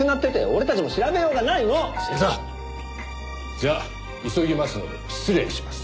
じゃあ急ぎますので失礼します。